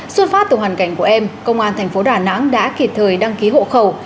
xuất phát từ hoàn cảnh của em công an thành phố đà nẵng đã kịp thời đăng ký hộ khẩu